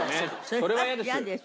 それは嫌です。